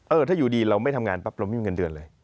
ถ้าอยู่ดีเราไม่ทำงานปั๊บเราไม่มีเงินเดือนเลย